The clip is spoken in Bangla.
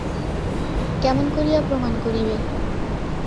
কেমন করিয়া প্রমাণ করিবে?